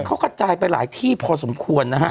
เขากระจายไปหลายที่พอสมควรนะฮะ